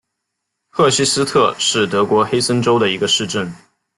赫希斯特是德国黑森州的一个市镇。